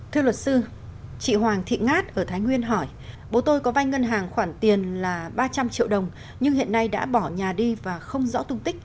thưa luật sư chị hoàng thị ngát ở thái nguyên hỏi bố tôi có vai ngân hàng khoản tiền là ba trăm linh triệu đồng nhưng hiện nay đã bỏ nhà đi và không rõ tung tích